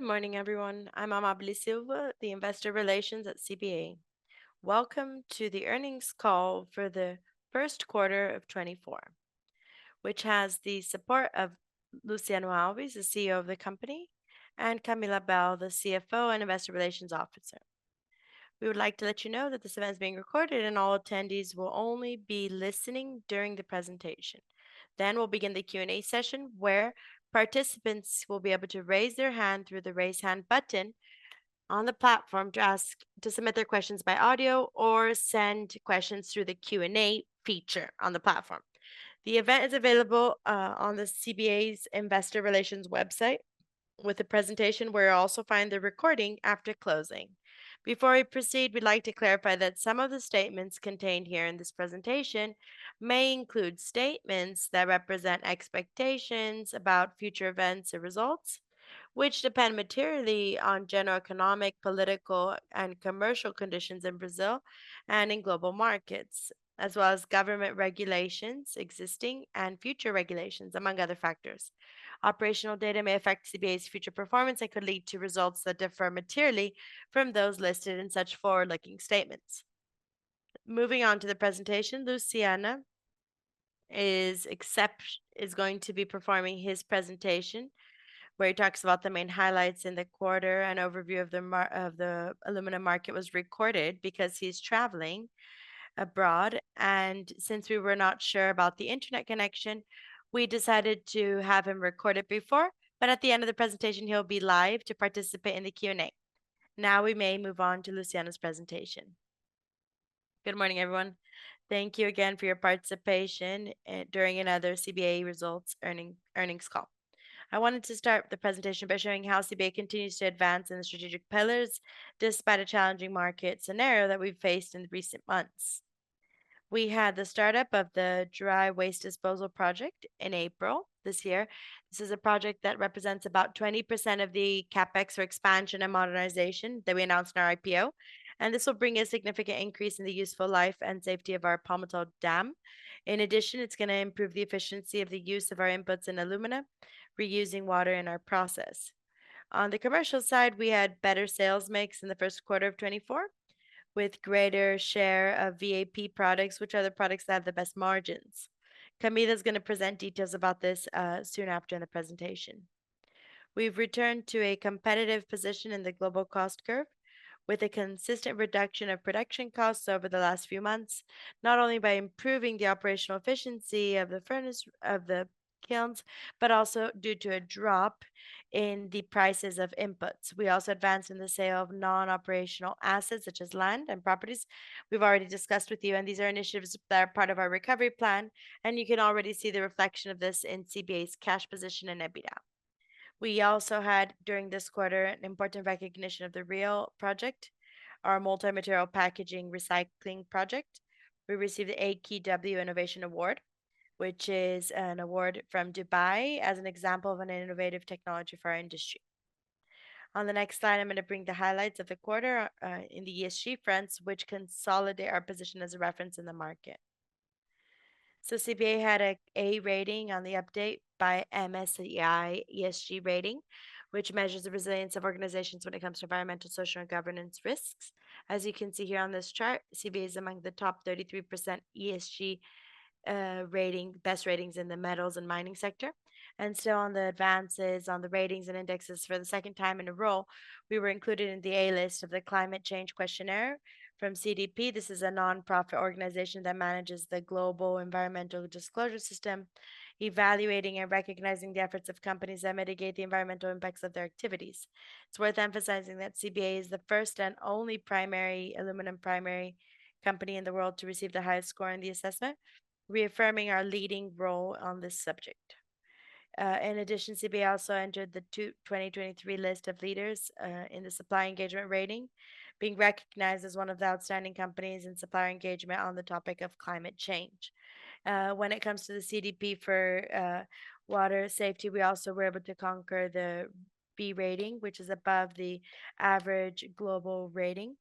Good morning, everyone. I'm Amábile Silva, the Investor Relations at CBA. Welcome to the earnings call for the Q1 of 2024, which has the support of Luciano Alves, the CEO of the company, and Camila Abel, the CFO and Investor Relations Officer. We would like to let you know that this event is being recorded, and all attendees will only be listening during the presentation. Then we'll begin the Q&A session, where participants will be able to raise their hand through the Raise Hand button on the platform to submit their questions by audio or send questions through the Q&A feature on the platform. The event is available on the CBA's Investor Relations website, with a presentation where you'll also find the recording after closing. Before we proceed, we'd like to clarify that some of the statements contained here in this presentation may include statements that represent expectations about future events or results, which depend materially on general economic, political, and commercial conditions in Brazil and in global markets, as well as government regulations, existing and future regulations, among other factors. Operational data may affect CBA's future performance and could lead to results that differ materially from those listed in such forward-looking statements. Moving on to the presentation, Luciano is going to be performing his presentation, where he talks about the main highlights in the quarter. An overview of the aluminum market was recorded because he's traveling abroad, and since we were not sure about the internet connection, we decided to have him record it before, but at the end of the presentation, he'll be live to participate in the Q&A. Now, we may move on to Luciano's presentation. Good morning, everyone. Thank you again for your participation during another CBA results earnings call. I wanted to start the presentation by showing how CBA continues to advance in the strategic pillars, despite a challenging market scenario that we've faced in the recent months. We had the startup of the dry waste disposal project in April this year. This is a project that represents about 20% of the CapEx or expansion and modernization that we announced in our IPO, and this will bring a significant increase in the useful life and safety of our Palmital Dam. In addition, it's gonna improve the efficiency of the use of our inputs in alumina, reusing water in our process. On the commercial side, we had better sales mix in the Q1 of 2024, with greater share of VAP products, which are the products that have the best margins. Camila is gonna present details about this soon after in the presentation. We've returned to a competitive position in the global cost curve, with a consistent reduction of production costs over the last few months, not only by improving the operational efficiency of the kilns, but also due to a drop in the prices of inputs. We also advanced in the sale of non-operational assets, such as land and properties. We've already discussed with you, and these are initiatives that are part of our recovery plan, and you can already see the reflection of this in CBA's cash position and EBITDA. We also had, during this quarter, an important recognition of the ReAl Project, our multi-material packaging recycling project. We received the AKEW Innovation Award, which is an award from Dubai as an example of an innovative technology for our industry. On the next slide, I'm gonna bring the highlights of the quarter in the ESG fronts, which consolidate our position as a reference in the market. So CBA had an A rating on the update by MSCI ESG rating, which measures the resilience of organizations when it comes to environmental, social, and governance risks. As you can see here on this chart, CBA is among the top 33% ESG rating, best ratings in the metals and mining sector. And so, on the advances on the ratings and indexes, for the second time in a row, we were included in the A list of the Climate Change Questionnaire from CDP. This is a nonprofit organization that manages the global environmental disclosure system, evaluating and recognizing the efforts of companies that mitigate the environmental impacts of their activities. It's worth emphasizing that CBA is the first and only primary aluminum primary company in the world to receive the highest score in the assessment, reaffirming our leading role on this subject. In addition, CBA also entered the 2023 list of leaders in the supplier engagement rating, being recognized as one of the outstanding companies in supplier engagement on the topic of climate change. When it comes to the CDP for water safety, we also were able to conquer the B rating, which is above the average global rating,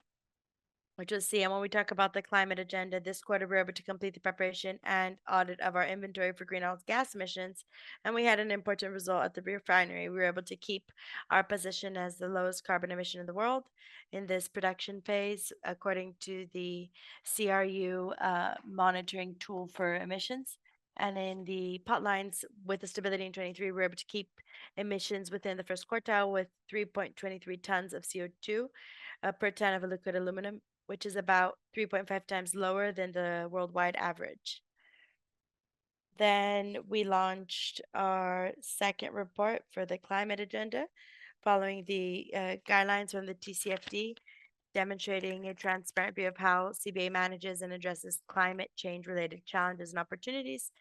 which we'll see. And when we talk about the climate agenda, this quarter, we were able to complete the preparation and audit of our inventory for greenhouse gas emissions, and we had an important result at the refinery. We were able to keep our position as the lowest carbon emission in the world in this production phase, according to the CRU monitoring tool for emissions. In the potlines, with the stability in 2023, we're able to keep emissions within the first quartile with 3.23 tons of CO2 per ton of liquid aluminum, which is about 3.5 times lower than the worldwide average. We launched our second report for the climate agenda, following the guidelines from the TCFD, demonstrating a transparent view of how CBA manages and addresses climate change-related challenges and opportunities.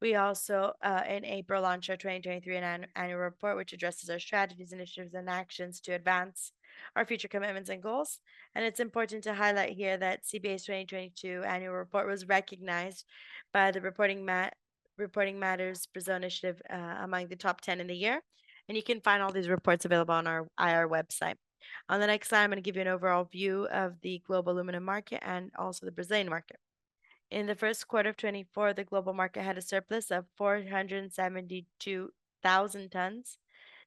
We also in April launched our 2023 annual report, which addresses our strategies, initiatives, and actions to advance our future commitments and goals. It's important to highlight here that CBA's 2022 annual report was recognized by the Reporting Matters Brazil initiative among the top 10 in the year, and you can find all these reports available on our IR website. On the next slide, I'm gonna give you an overall view of the global aluminum market and also the Brazilian market. In the Q1 of 2024, the global market had a surplus of 472,000 tons.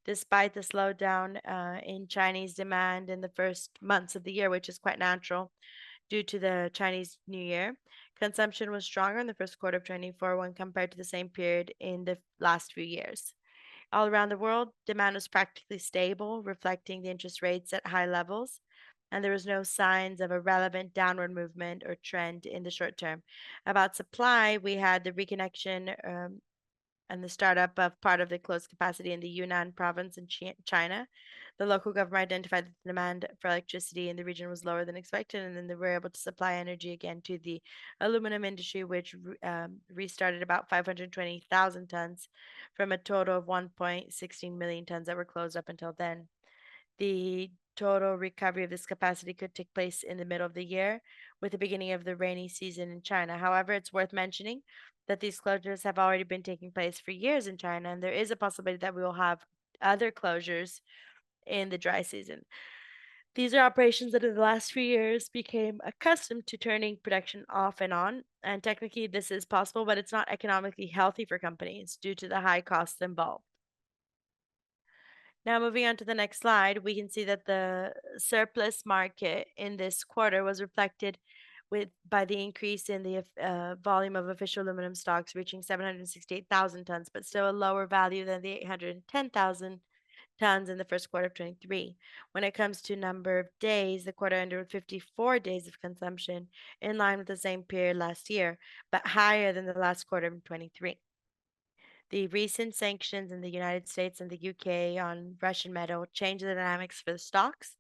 Despite the slowdown in Chinese demand in the first months of the year, which is quite natural due to the Chinese New Year, consumption was stronger in the Q1 of 2024 when compared to the same period in the last few years. All around the world, demand was practically stable, reflecting the interest rates at high levels, and there was no signs of a relevant downward movement or trend in the short term. About supply, we had the reconnection and the startup of part of the closed capacity in the Yunnan province in China. The local government identified the demand for electricity in the region was lower than expected, and then they were able to supply energy again to the aluminum industry, which restarted about 520,000 tons from a total of 1.16 million tons that were closed up until then. The total recovery of this capacity could take place in the middle of the year, with the beginning of the rainy season in China. However, it's worth mentioning that these closures have already been taking place for years in China, and there is a possibility that we will have other closures in the dry season. These are operations that in the last few years became accustomed to turning production off and on, and technically, this is possible, but it's not economically healthy for companies due to the high costs involved. Now, moving on to the next slide, we can see that the surplus market in this quarter was reflected by the increase in the volume of official aluminum stocks, reaching 768,000 tons, but still a lower value than the 810,000 tons in the Q1 of 2023. When it comes to number of days, the quarter ended with 54 days of consumption, in line with the same period last year, but higher than the last quarter in 2023. The recent sanctions in the United States and the U.K. on Russian metal changed the dynamics for the stocks,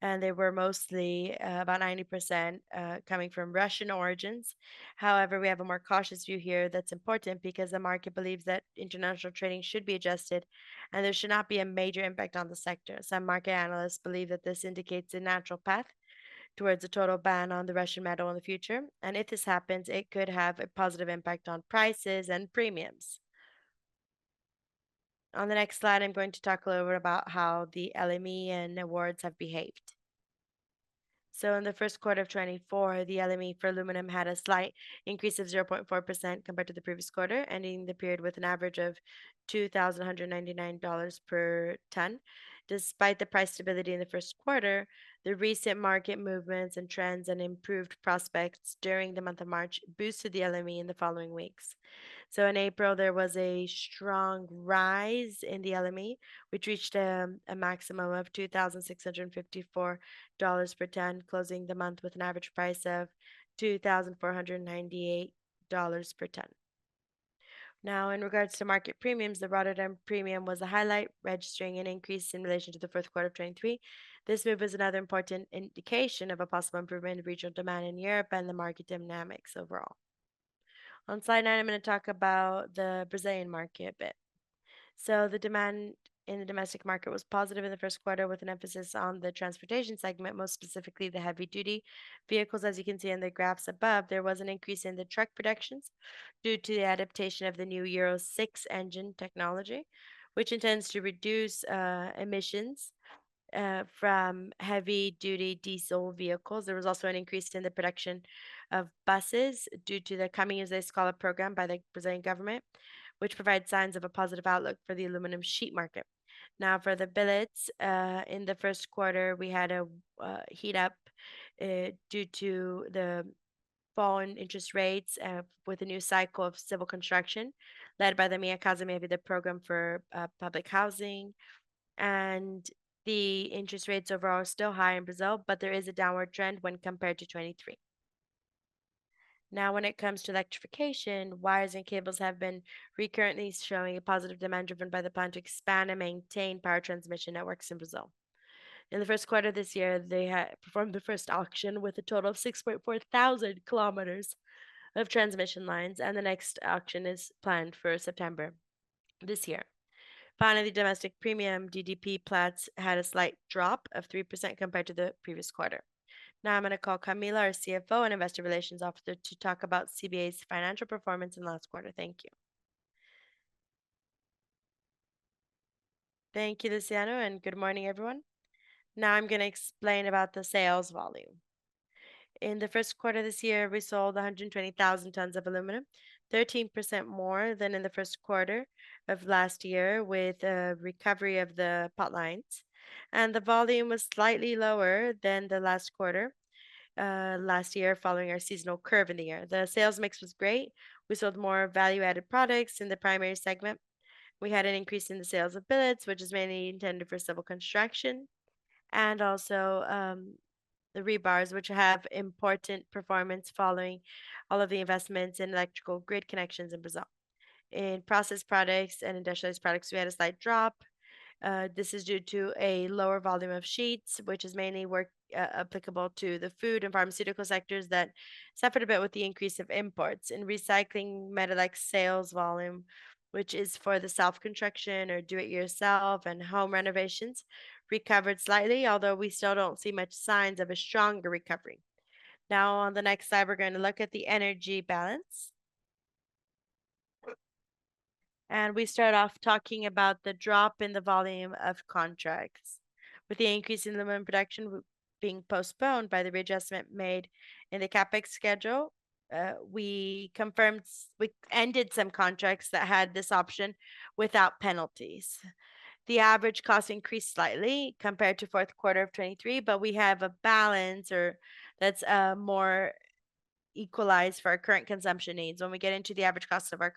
and they were mostly about 90%, coming from Russian origins. However, we have a more cautious view here. That's important because the market believes that international trading should be adjusted, and there should not be a major impact on the sector. Some market analysts believe that this indicates a natural path towards a total ban on the Russian metal in the future, and if this happens, it could have a positive impact on prices and premiums. On the next slide, I'm going to talk a little bit about how the LME and awards have behaved. So in the Q1 of 2024, the LME for aluminum had a slight increase of 0.4% compared to the previous quarter, ending the period with an average of $2,299 per ton. Despite the price stability in the Q1, the recent market movements and trends and improved prospects during the month of March boosted the LME in the following weeks. In April, there was a strong rise in the LME, which reached a maximum of $2,654 per ton, closing the month with an average price of $2,498 per ton. Now, in regards to market premiums, the Rotterdam premium was a highlight, registering an increase in relation to the Q4 of 2023. This move is another important indication of a possible improvement in regional demand in Europe and the market dynamics overall. On slide 9, I'm going to talk about the Brazilian market a bit. The demand in the domestic market was positive in the Q1, with an emphasis on the transportation segment, most specifically the heavy-duty vehicles. As you can see in the graphs above, there was an increase in the truck productions due to the adaptation of the new Euro 6 engine technology, which intends to reduce emissions from heavy-duty diesel vehicles. There was also an increase in the production of buses due to the Caminho da Escola, as they call it, a program by the Brazilian government, which provides signs of a positive outlook for the aluminum sheet market. Now, for the billets, in the Q1, we had a heat-up due to the fall in interest rates, with a new cycle of civil construction, led by the Minha Casa, Minha Vida program for public housing. And the interest rates overall are still high in Brazil, but there is a downward trend when compared to 2023. Now, when it comes to electrification, wires and cables have been recurrently showing a positive demand, driven by the plan to expand and maintain power transmission networks in Brazil. In the Q1 of this year, they had performed the first auction, with a total of 6,400 kilometers of transmission lines, and the next auction is planned for September this year. Finally, the domestic premium, DDP Platts, had a slight drop of 3% compared to the previous quarter. Now I'm going to call Camila, our CFO and Investor Relations Officer, to talk about CBA's financial performance in the last quarter. Thank you. Thank you, Luciano, and good morning, everyone. Now I'm going to explain about the sales volume. In the Q1 of this year, we sold 120,000 tons of aluminum, 13% more than in the Q1 of last year, with a recovery of the pot lines. The volume was slightly lower than the last quarter last year, following our seasonal curve in the year. The sales mix was great. We sold more value-added products in the primary segment. We had an increase in the sales of billets, which is mainly intended for civil construction, and also the rebars, which have important performance following all of the investments in electrical grid connections in Brazil. In processed products and industrialized products, we had a slight drop. This is due to a lower volume of sheets, which is mainly work applicable to the food and pharmaceutical sectors that suffered a bit with the increase of imports. In recycling metal, like sales volume, which is for the self-construction or Do-It-Yourself and home renovations, recovered slightly, although we still don't see much signs of a stronger recovery. Now, on the next slide, we're going to look at the energy balance, and we start off talking about the drop in the volume of contracts. With the increase in aluminum production being postponed by the readjustment made in the CapEx schedule, we confirmed we ended some contracts that had this option without penalties. The average cost increased slightly compared to Q4 of 2023, but we have a balance or that's more equalized for our current consumption needs. When we get into the average cost of our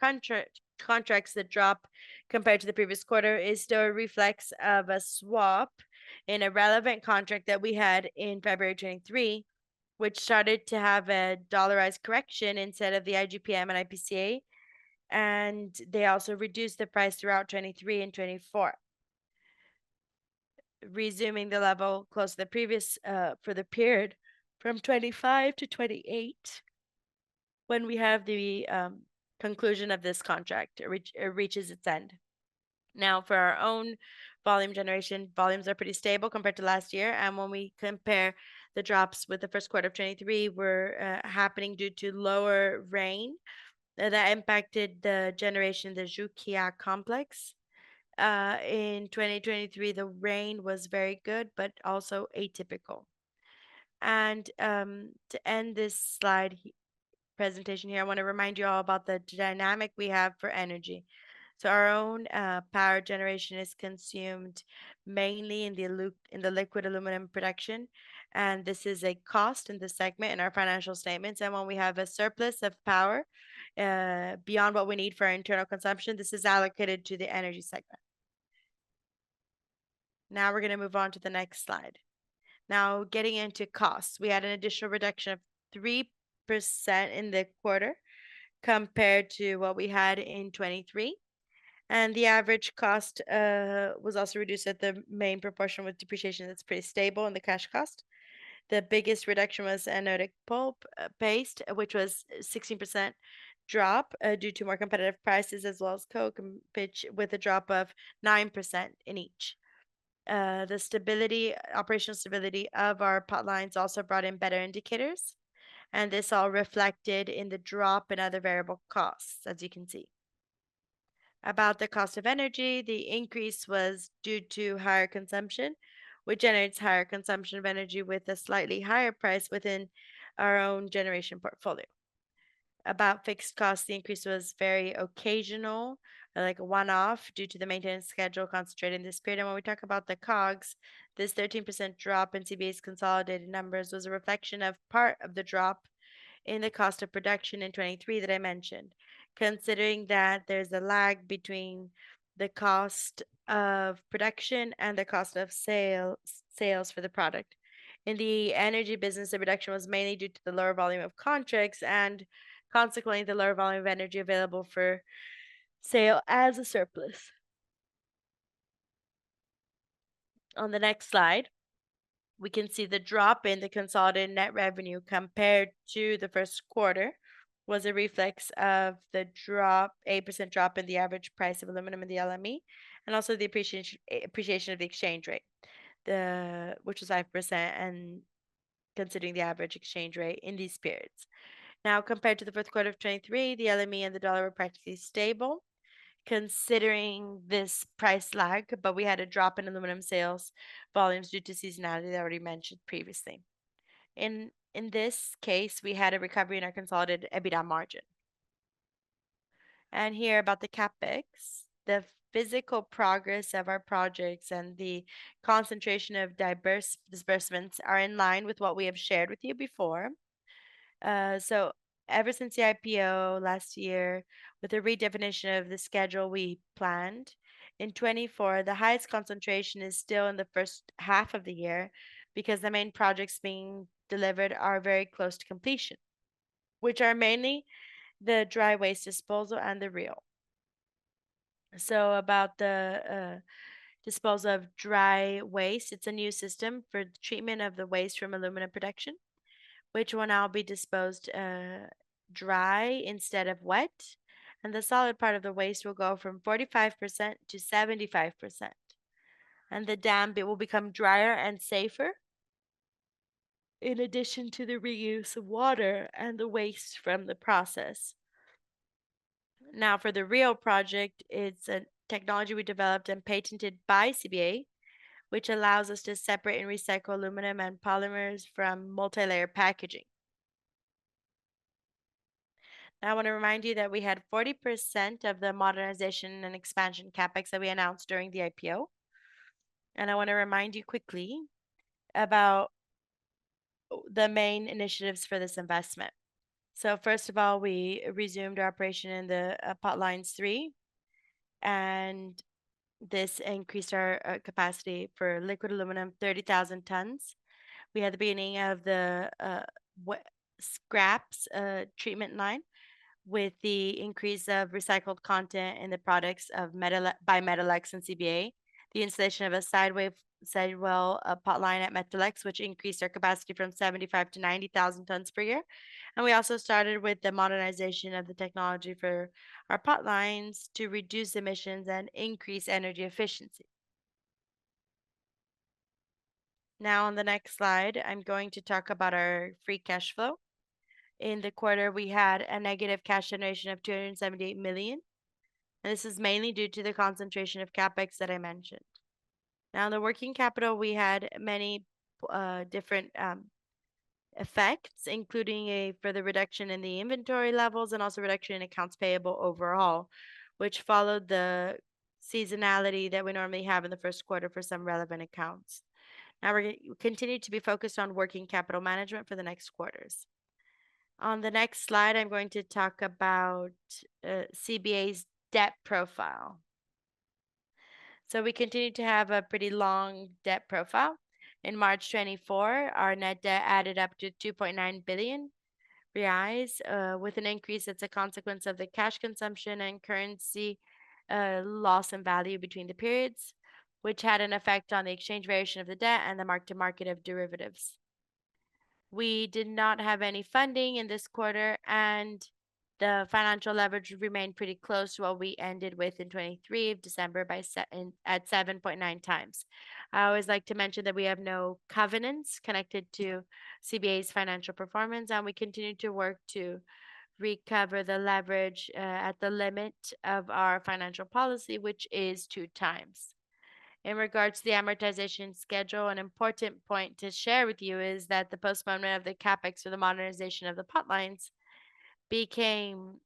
contracts, the drop compared to the previous quarter is still a reflection of a swap in a relevant contract that we had in February 2023, which started to have a dollarized correction instead of the IGP-M and IPCA, and they also reduced the price throughout 2023 and 2024. Resuming the level close to the previous, for the period from 2025 to 2028, when we have the conclusion of this contract, it reaches its end. Now, for our own volume generation, volumes are pretty stable compared to last year, and when we compare the drops with the Q1 of 2023, happening due to lower rain that impacted the generation, the Jequitinhonha Complex. In 2023, the rain was very good, but also atypical. To end this slide presentation here, I want to remind you all about the dynamic we have for energy. So our own power generation is consumed mainly in the liquid aluminum production, and this is a cost in this segment, in our financial statements. When we have a surplus of power, beyond what we need for our internal consumption, this is allocated to the energy segment. Now we're gonna move on to the next slide. Now, getting into costs, we had an additional reduction of 3% in the quarter compared to what we had in 2023, and the average cost was also reduced at the main proportion. With depreciation, that's pretty stable in the cash cost. The biggest reduction was anodic pulp, paste, which was 16% drop, due to more competitive prices, as well as coke and pitch, with a drop of 9% in each. The stability, operational stability of our potlines also brought in better indicators, and this all reflected in the drop in other variable costs, as you can see. About the cost of energy, the increase was due to higher consumption, which generates higher consumption of energy with a slightly higher price within our own generation portfolio. About fixed costs, the increase was very occasional, like a one-off, due to the maintenance schedule concentrated in this period. When we talk about the COGS, this 13% drop in CBA's consolidated numbers was a reflection of part of the drop in the cost of production in 2023 that I mentioned, considering that there's a lag between the cost of production and the cost of sale, sales for the product. In the energy business, the reduction was mainly due to the lower volume of contracts and consequently, the lower volume of energy available for sale as a surplus. On the next slide, we can see the drop in the consolidated net revenue compared to the Q1 was a reflection of the drop, 8% drop in the average price of aluminum in the LME, and also the appreciation of the exchange rate, the which was 5%, and considering the average exchange rate in these periods. Now, compared to the Q4 of 2023, the LME and the dollar were practically stable, considering this price lag, but we had a drop in aluminum sales volumes due to seasonality that I already mentioned previously. In this case, we had a recovery in our consolidated EBITDA margin. Here about the CapEx, the physical progress of our projects and the concentration of diverse disbursements are in line with what we have shared with you before. So ever since the IPO last year, with the redefinition of the schedule we planned, in 2024, the highest concentration is still in the first half of the year because the main projects being delivered are very close to completion, which are mainly the dry waste disposal and the RIO. So about the disposal of dry waste, it's a new system for treatment of the waste from aluminum production, which will now be disposed dry instead of wet, and the solid part of the waste will go from 45%-75%, and the dam, it will become drier and safer, in addition to the reuse of water and the waste from the process. Now, for the ReAl project, it's a technology we developed and patented by CBA, which allows us to separate and recycle aluminum and polymers from multilayer packaging. I want to remind you that we had 40% of the modernization and expansion CapEx that we announced during the IPO, and I want to remind you quickly about the main initiatives for this investment. So first of all, we resumed our operation in the potline three, and this increased our capacity for liquid aluminum, 30,000 tons. We had the beginning of the scraps treatment line with the increase of recycled content in the products of Metalex and CBA, the installation of a sidewell potline at Metalex, which increased our capacity from 75,000-90,000 tons per year. And we also started with the modernization of the technology for our potlines to reduce emissions and increase energy efficiency... Now, on the next slide, I'm going to talk about our free cash flow. In the quarter, we had a negative cash generation of 278 million, and this is mainly due to the concentration of CapEx that I mentioned. Now, in the working capital, we had many different effects, including a further reduction in the inventory levels and also reduction in accounts payable overall, which followed the seasonality that we normally have in the Q1 for some relevant accounts. Now, we're going to continue to be focused on working capital management for the next quarters. On the next slide, I'm going to talk about CBA's debt profile. So we continue to have a pretty long debt profile. In March 2024, our net debt added up to 2.9 billion reais, with an increase that's a consequence of the cash consumption and currency loss in value between the periods, which had an effect on the exchange variation of the debt and the mark-to-market of derivatives. We did not have any funding in this quarter, and the financial leverage remained pretty close to what we ended with in 2023 end of December at 7.9x. I always like to mention that we have no covenants connected to CBA's financial performance, and we continue to work to recover the leverage at the limit of our financial policy, which is 2x. In regards to the amortization schedule, an important point to share with you is that the postponement of the CapEx or the modernization of the potlines became,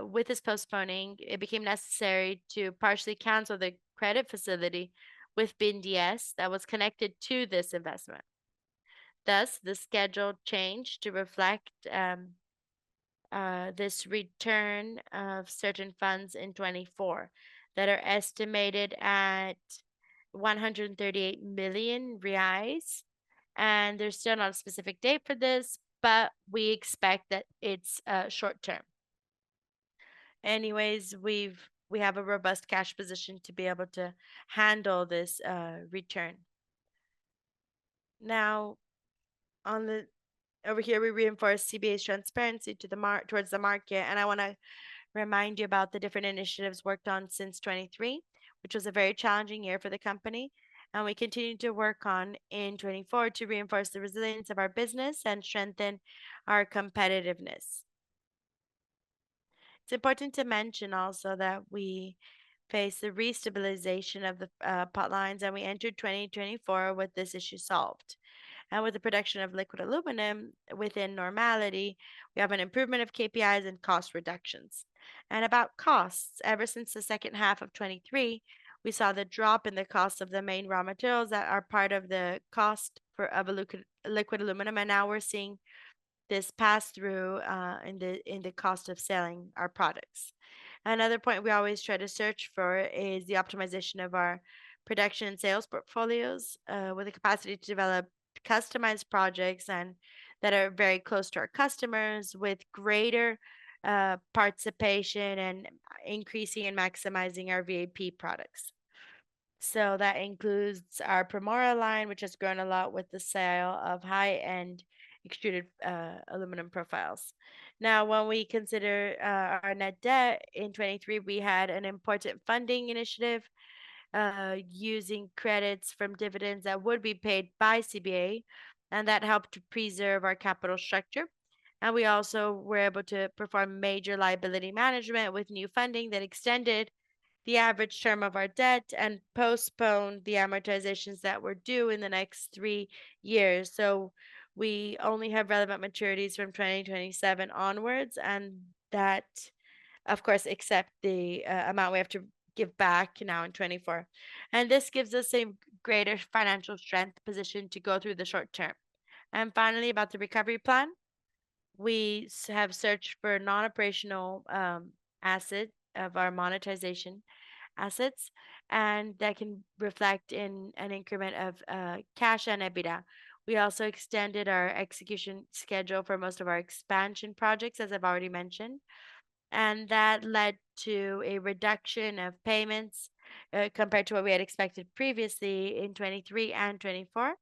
with this postponing, it became necessary to partially cancel the credit facility with BNDES that was connected to this investment. Thus, the schedule changed to reflect this return of certain funds in 2024, that are estimated at 138 million reais, and there's still not a specific date for this, but we expect that it's short-term. Anyways, we have a robust cash position to be able to handle this return. Now, over here, we reinforce CBA's transparency towards the market, and I wanna remind you about the different initiatives worked on since 2023, which was a very challenging year for the company, and we continue to work on in 2024 to reinforce the resilience of our business and strengthen our competitiveness. It's important to mention also that we faced the restabilization of the Potlines, and we entered 2024 with this issue solved. With the production of liquid aluminum within normality, we have an improvement of KPIs and cost reductions. About costs, ever since the second half of 2023, we saw the drop in the cost of the main raw materials that are part of the cost of liquid aluminum, and now we're seeing this pass through in the cost of selling our products. Another point we always try to search for is the optimization of our production and sales portfolios, with the capacity to develop customized projects that are very close to our customers, with greater participation and increasing and maximizing our VAP products. So that includes our Primora line, which has grown a lot with the sale of high-end extruded aluminum profiles. Now, when we consider our net debt, in 2023, we had an important funding initiative using credits from dividends that would be paid by CBA, and that helped to preserve our capital structure. And we also were able to perform major liability management with new funding that extended the average term of our debt and postponed the amortizations that were due in the next 3 years. So we only have relevant maturities from 2027 onwards, and that, of course, except the amount we have to give back now in 2024. And this gives us a greater financial strength position to go through the short term. And finally, about the recovery plan, we have searched for non-operational asset of our monetization assets, and that can reflect in an increment of cash and EBITDA. We also extended our execution schedule for most of our expansion projects, as I've already mentioned, and that led to a reduction of payments compared to what we had expected previously in 2023 and 2024.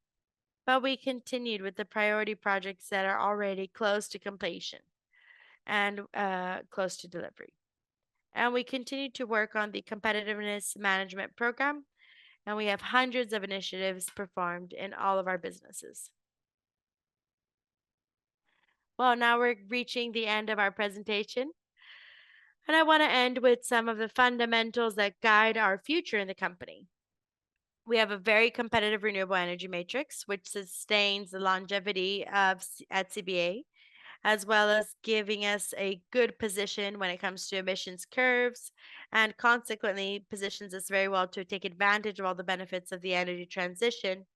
But we continued with the priority projects that are already close to completion and close to delivery. And we continued to work on the competitiveness management program, and we have hundreds of initiatives performed in all of our businesses. Well, now we're reaching the end of our presentation, and I want to end with some of the fundamentals that guide our future in the company. We have a very competitive, renewable energy matrix, which sustains the longevity of sustainability at CBA, as well as giving us a good position when it comes to emissions curves, and consequently, positions us very well to take advantage of all the benefits of the energy transition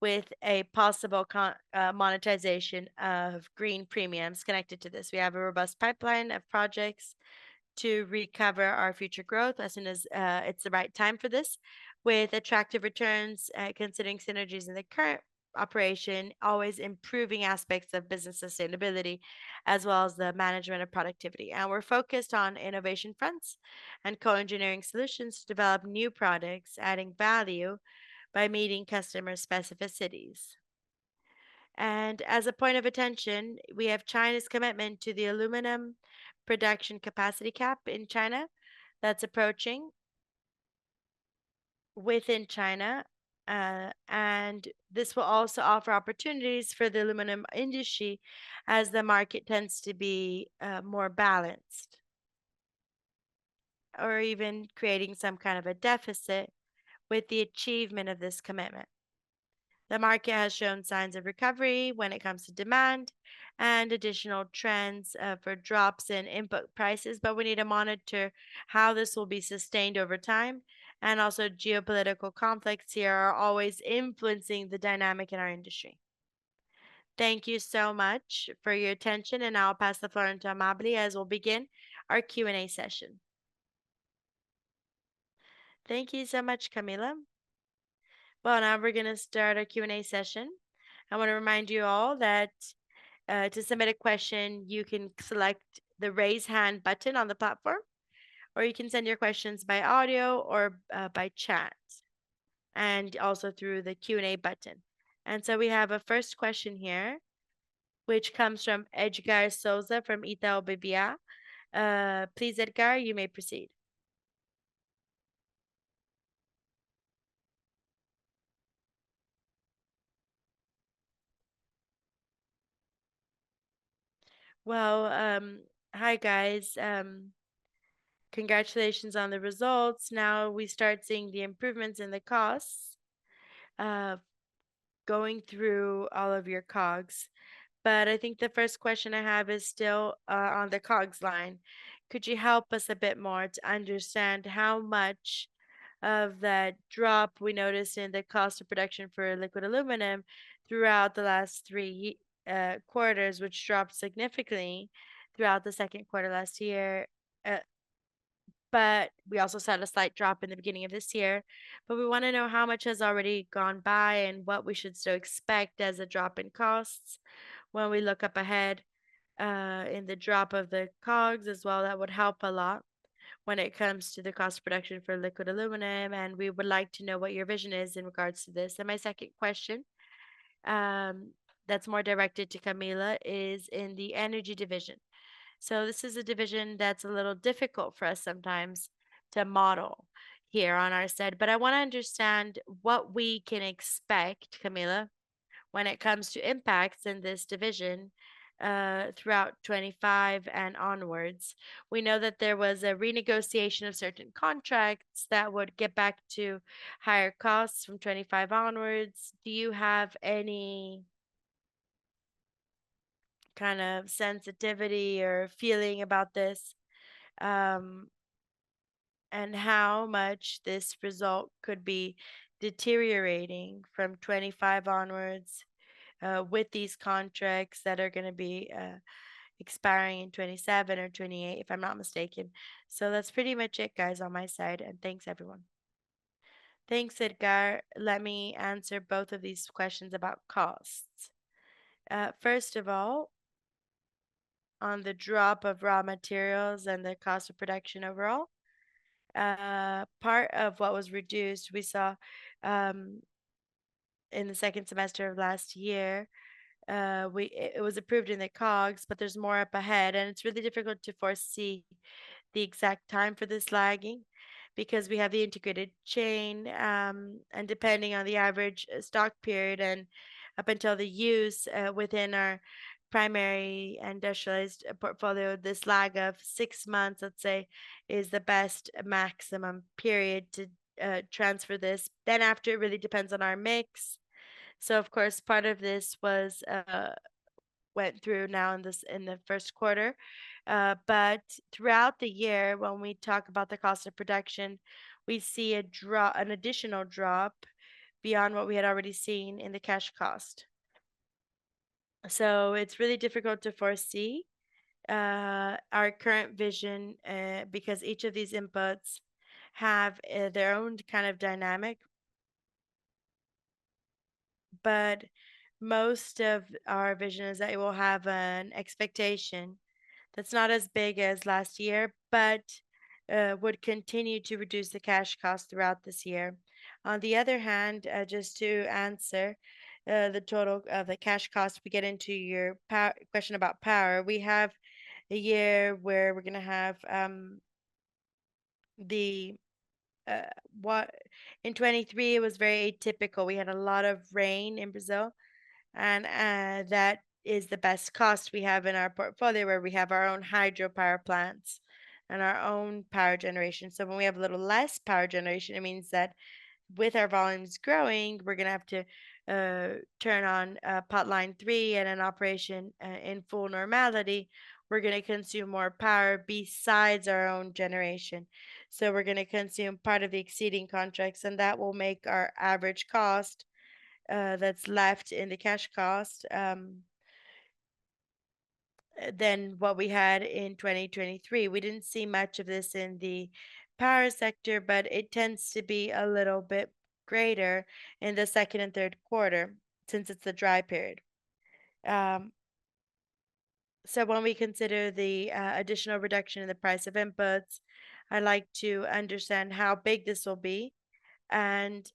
with a possible co-monetization of green premiums connected to this. We have a robust pipeline of projects to recover our future growth as soon as it's the right time for this, with attractive returns, considering synergies in the current operation, always improving aspects of business sustainability, as well as the management of productivity. We're focused on innovation fronts and co-engineering solutions to develop new products, adding value by meeting customer specificities, and as a point of attention, we have China's commitment to the aluminum production capacity cap in China that's approaching within China. And this will also offer opportunities for the aluminum industry as the market tends to be more balanced, or even creating some kind of a deficit with the achievement of this commitment. The market has shown signs of recovery when it comes to demand, and additional trends for drops in input prices, but we need to monitor how this will be sustained over time. And also, geopolitical conflicts here are always influencing the dynamic in our industry. Thank you so much for your attention, and I'll pass the floor on to Amábile, as we'll begin our Q&A session. Thank you so much, Camila. Well, now we're gonna start our Q&A session. I wanna remind you all that, to submit a question, you can select the Raise Hand button on the platform, or you can send your questions by audio or, by chat, and also through the Q&A button. And so we have a first question here, which comes from Edgard Souza from Itaú BBA. Please, Edgard, you may proceed. Well, hi, guys. Congratulations on the results. Now we start seeing the improvements in the costs, going through all of your COGS. But I think the first question I have is still, on the COGS line. Could you help us a bit more to understand how much of that drop we noticed in the cost of production for liquid aluminum throughout the last three quarters, which dropped significantly throughout the Q2 last year? But we also saw a slight drop in the beginning of this year, but we wanna know how much has already gone by, and what we should still expect as a drop in costs when we look up ahead, in the drop of the COGS as well. That would help a lot when it comes to the cost of production for liquid aluminum, and we would like to know what your vision is in regards to this. And my second question, that's more directed to Camila, is in the energy division. So this is a division that's a little difficult for us sometimes to model here on our side, but I wanna understand what we can expect, Camila, when it comes to impacts in this division, throughout 2025 and onwards. We know that there was a renegotiation of certain contracts that would get back to higher costs from 2025 onwards. Do you have any kind of sensitivity or feeling about this? And how much this result could be deteriorating from 2025 onwards, with these contracts that are gonna be expiring in 2027 or 2028, if I'm not mistaken? So that's pretty much it, guys, on my side, and thanks, everyone. Thanks, Edgard. Let me answer both of these questions about costs. First of all, on the drop of raw materials and the cost of production overall, part of what was reduced, we saw in the second semester of last year. It was approved in the COGS, but there's more up ahead, and it's really difficult to foresee the exact time for this lagging because we have the integrated chain. And depending on the average stock period, and up until the use, within our primary industrialized portfolio, this lag of 6 months, let's say, is the best maximum period to transfer this. Then after, it really depends on our mix. So of course, part of this was went through now in the Q1. But throughout the year, when we talk about the cost of production, we see a drop, an additional drop beyond what we had already seen in the cash cost. So it's really difficult to foresee our current vision, because each of these inputs have their own kind of dynamic. But most of our vision is that it will have an expectation that's not as big as last year, but would continue to reduce the cash cost throughout this year. On the other hand, just to answer, the total, the cash cost, we get into your question about power. We have a year where we're gonna have. In 2023, it was very atypical. We had a lot of rain in Brazil, and that is the best cost we have in our portfolio, where we have our own hydropower plants and our own power generation. So when we have a little less power generation, it means that with our volumes growing, we're gonna have to turn on potline 3. At an operation in full normality, we're gonna consume more power besides our own generation. So we're gonna consume part of the exceeding contracts, and that will make our average cost, that's left in the cash cost, than what we had in 2023. We didn't see much of this in the power sector, but it tends to be a little bit greater in the second and Q3 since it's a dry period. So when we consider the additional reduction in the price of inputs, I'd like to understand how big this will be. And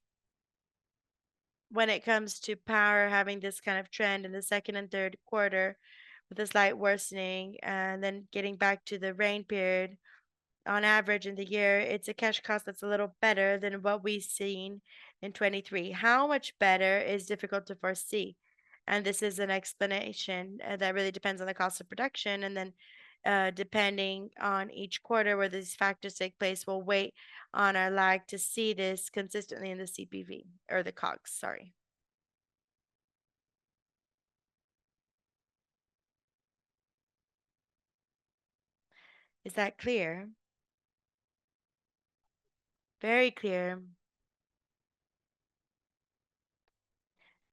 when it comes to power, having this kind of trend in the second and Q3, with a slight worsening, and then getting back to the rain period, on average in the year, it's a cash cost that's a little better than what we've seen in 2023. How much better is difficult to foresee, and this is an explanation that really depends on the cost of production, and then, depending on each quarter where these factors take place, we'll wait on our lag to see this consistently in the CPV or the COGS, sorry. Is that clear? Very clear.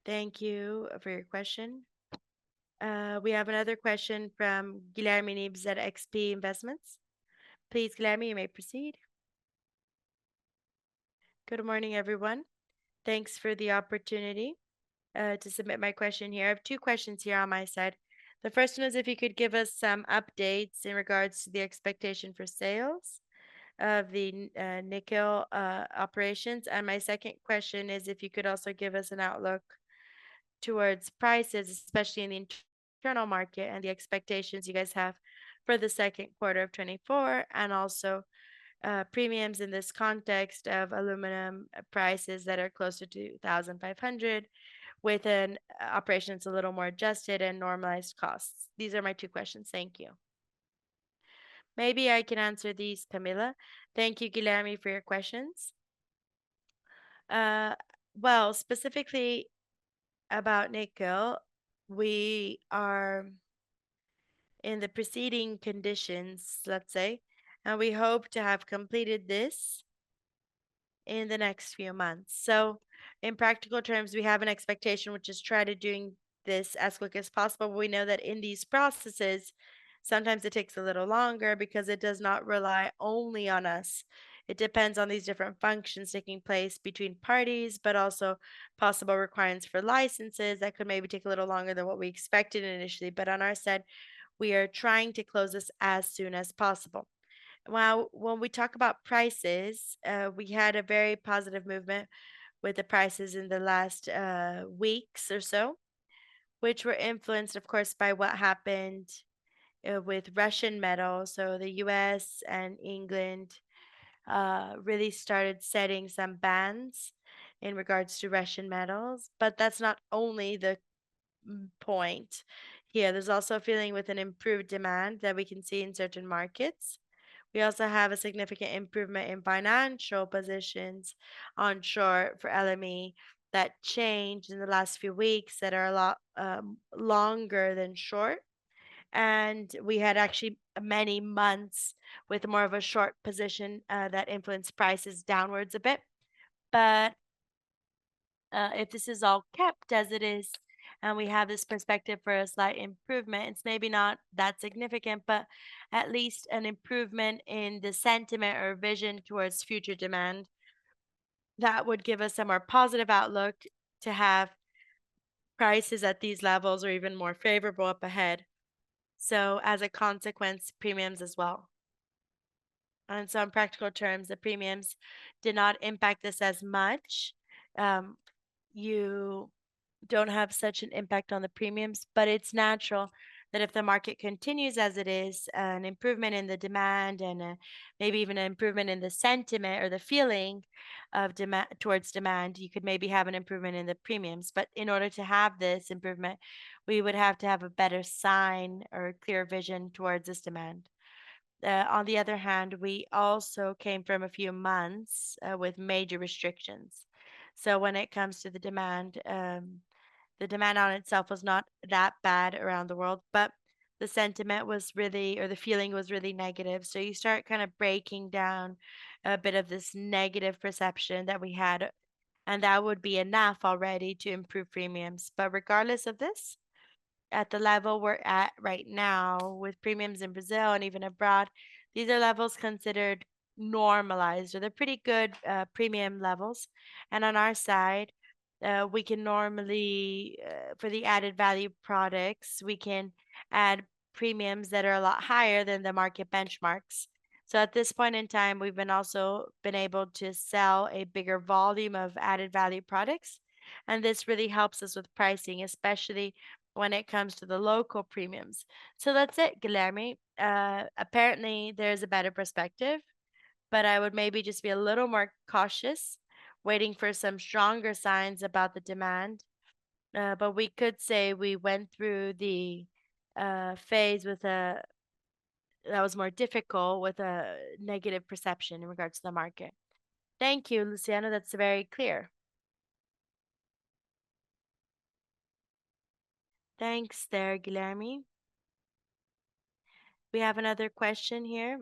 Thank you for your question. We have another question from Guilherme Nippes at XP Investments. Please, Guilherme, you may proceed. Good morning, everyone. Thanks for the opportunity to submit my question here. I have two questions here on my side. The first one is if you could give us some updates in regards to the expectation for sales of the nickel operations. And my second question is if you could also give us an outlook towards prices, especially in the internal market, and the expectations you guys have for the Q2 of 2024, and also premiums in this context of aluminum prices that are closer to $1,500, with an operations a little more adjusted and normalized costs. These are my two questions. Thank you. Maybe I can answer these, Camila. Thank you, Guilherme, for your questions. Well, specifically about nickel, we are in the preceding conditions, let's say, and we hope to have completed this in the next few months. So in practical terms, we have an expectation, which is try to doing this as quick as possible. We know that in these processes, sometimes it takes a little longer because it does not rely only on us. It depends on these different functions taking place between parties, but also possible requirements for licenses that could maybe take a little longer than what we expected initially. But on our side, we are trying to close this as soon as possible. Well, when we talk about prices, we had a very positive movement with the prices in the last weeks or so, which were influenced, of course, by what happened with Russian metal. So the U.S. and England really started setting some bans in regards to Russian metals. But that's not only the point here. There's also a feeling with an improved demand that we can see in certain markets. We also have a significant improvement in financial positions on short for LME that changed in the last few weeks, that are a lot longer than short. And we had actually many months with more of a short position that influenced prices downwards a bit. But if this is all kept as it is, and we have this perspective for a slight improvement, it's maybe not that significant, but at least an improvement in the sentiment or vision towards future demand, that would give us a more positive outlook to have prices at these levels or even more favorable up ahead. So as a consequence, premiums as well. On some practical terms, the premiums did not impact this as much. You don't have such an impact on the premiums, but it's natural that if the market continues as it is, an improvement in the demand and, maybe even an improvement in the sentiment or the feeling of demand, towards demand, you could maybe have an improvement in the premiums. But in order to have this improvement, we would have to have a better sign or clear vision towards this demand. On the other hand, we also came from a few months with major restrictions. So when it comes to the demand, the demand on itself was not that bad around the world, but the sentiment was really, or the feeling was really negative. So you start kind of breaking down a bit of this negative perception that we had, and that would be enough already to improve premiums. But regardless of this, at the level we're at right now with premiums in Brazil and even abroad, these are levels considered normalized, or they're pretty good premium levels. And on our side, we can normally for the added value products, we can add premiums that are a lot higher than the market benchmarks. So at this point in time, we've also been able to sell a bigger volume of added-value products, and this really helps us with pricing, especially when it comes to the local premiums. So that's it, Guilherme. Apparently there's a better perspective, but I would maybe just be a little more cautious, waiting for some stronger signs about the demand. But we could say we went through the phase with that was more difficult with a negative perception in regards to the market. Thank you, Luciano. That's very clear. Thanks there, Guilherme. We have another question here.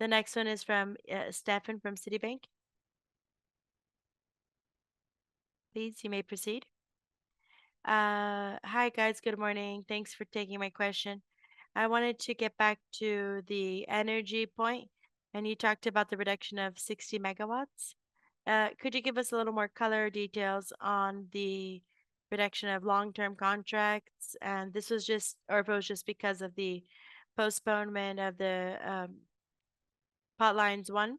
The next one is from Stefan from Citibank. Please, you may proceed. Hi, guys. Good morning. Thanks for taking my question. I wanted to get back to the energy point, and you talked about the reduction of 60 megawatts. Could you give us a little more color or details on the reduction of long-term contracts? And this was just, or it was just because of the postponement of the potlines one,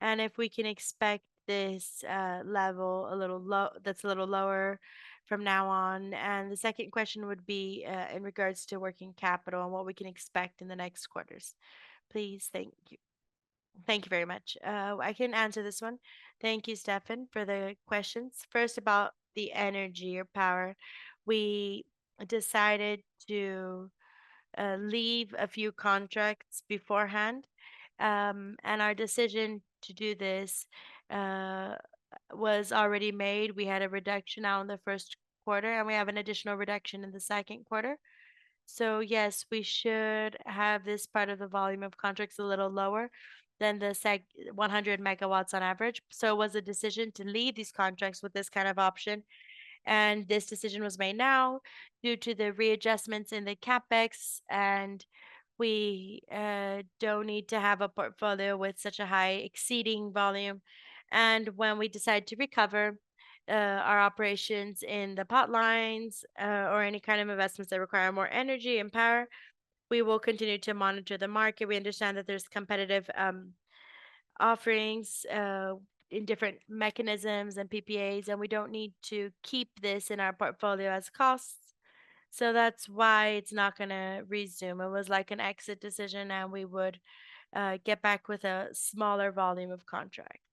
and if we can expect this level a little lower from now on? The second question would be, in regards to working capital, and what we can expect in the next quarters. Please. Thank you. Thank you very much. I can answer this one. Thank you, Stefan, for the questions. First, about the energy or power, we decided to leave a few contracts beforehand. And our decision to do this was already made. We had a reduction now in the Q1, and we have an additional reduction in the Q2. So yes, we should have this part of the volume of contracts a little lower than the 100 MW on average. So it was a decision to leave these contracts with this kind of option, and this decision was made now due to the readjustments in the CapEx, and we don't need to have a portfolio with such a high exceeding volume. When we decide to recover our operations in the pipelines or any kind of investments that require more energy and power, we will continue to monitor the market. We understand that there's competitive offerings in different mechanisms and PPAs, and we don't need to keep this in our portfolio as costs. So that's why it's not gonna resume. It was like an exit decision, and we would get back with a smaller volume of contracts.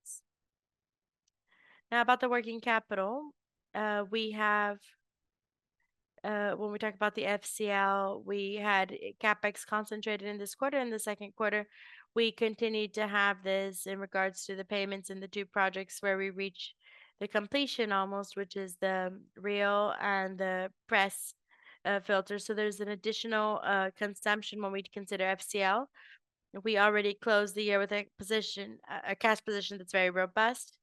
Now, about the working capital, we have... When we talk about the FCL, we had CapEx concentrated in this quarter. In the Q2, we continued to have this in regards to the payments in the two projects where we reached the completion almost, which is the Rio and the press filter. So there's an additional consumption when we consider FCL. We already closed the year with a position, a cash position that's very robust.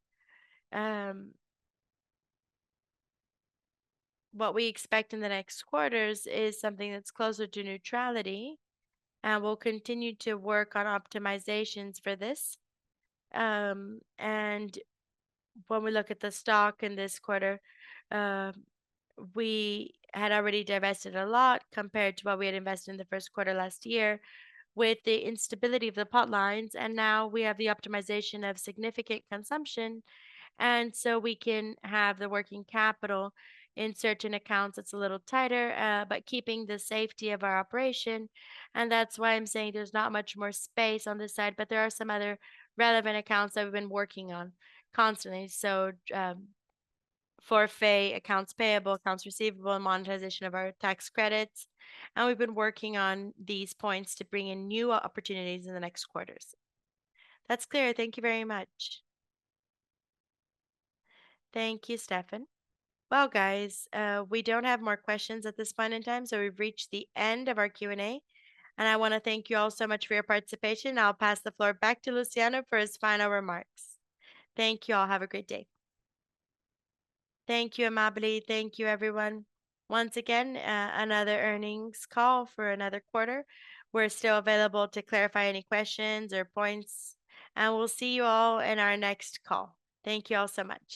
What we expect in the next quarters is something that's closer to neutrality, and we'll continue to work on optimizations for this. And when we look at the stock in this quarter, we had already divested a lot compared to what we had invested in the Q1 last year with the instability of the pipelines, and now we have the optimization of significant consumption, and so we can have the working capital. In certain accounts it's a little tighter, but keeping the safety of our operation, and that's why I'm saying there's not much more space on this side, but there are some other relevant accounts that we've been working on constantly. So, for FE, accounts payable, accounts receivable, and monetization of our tax credits, and we've been working on these points to bring in new opportunities in the next quarters. That's clear. Thank you very much. Thank you, Stefan. Well, guys, we don't have more questions at this point in time, so we've reached the end of our Q&A, and I wanna thank you all so much for your participation. I'll pass the floor back to Luciano for his final remarks. Thank you all. Have a great day. Thank you, Amábile. Thank you, everyone. Once again, another earnings call for another quarter. We're still available to clarify any questions or points, and we'll see you all in our next call. Thank you all so much.